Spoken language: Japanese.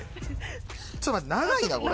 ちょっと待って長いなこれ。